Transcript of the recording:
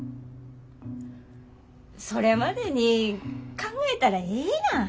それまでに考えたらええやん。